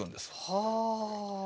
はあ。